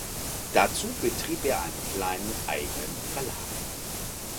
Dazu betrieb er einen kleinen eigenen Verlag.